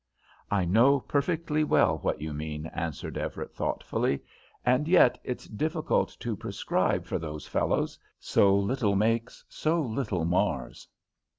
"I know perfectly well what you mean," answered Everett, thoughtfully. "And yet it's difficult to prescribe for those fellows; so little makes, so little mars."